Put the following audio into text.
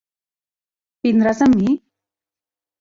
Vindràs amb mi?